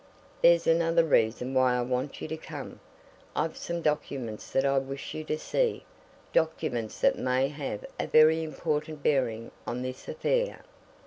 There's another reason why I want you to come I've some documents that I wish you to see documents that may have a very important bearing on this affair.